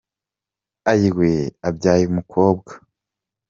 Ayiwe abyaye umukobwa.